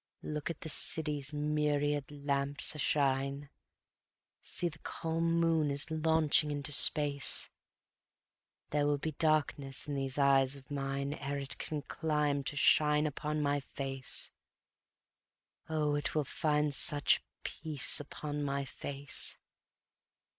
... Look at the city's myriad lamps a shine; See, the calm moon is launching into space ... There will be darkness in these eyes of mine Ere it can climb to shine upon my face. Oh, it will find such peace upon my face!